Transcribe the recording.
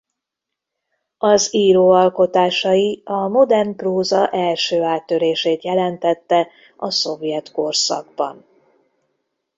Az író alkotásai a modern próza első áttörését jelentette a szovjet korszakban.